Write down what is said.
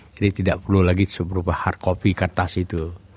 jadi tidak perlu lagi seberupa hard copy kartas itu